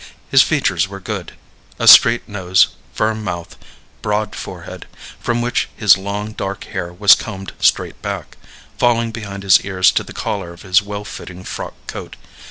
His features were good a straight nose, firm mouth, broad forehead, from which his long, dark hair was combed straight back, falling behind his ears to the collar of his well fitting frock coat.